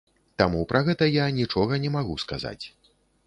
Таму пра гэта я нічога не магу сказаць.